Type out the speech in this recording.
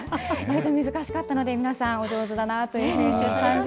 難しかったので、皆さん、お上手だなと感じ